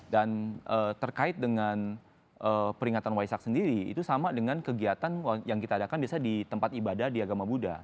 dan terkait dengan peringatan waisak sendiri itu sama dengan kegiatan yang kita adakan di tempat ibadah di agama buddha